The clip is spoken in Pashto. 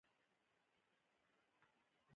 موږ له بلاک څخه ووتو خو اندېښنه مې لرله